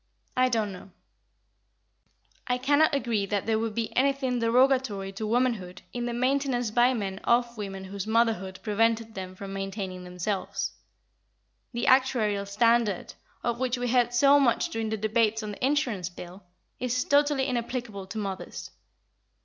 I don't know. I cannot agree that there would be anything derogatory to womanhood in the maintenance by men of women whose motherhood prevented them from maintaining themselves. The actuarial standard, of which we heard so much during the debates on the Insurance Bill, is totally inapplicable to mothers.